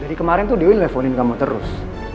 dari kemarin tuh dewi nelfonin kamu terus